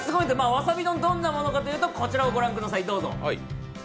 わさび丼、どんなものかというと、こちらです、どうぞ。